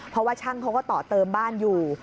เพราะว่าช่างเขาก็ต่อเติมบ้านอยู่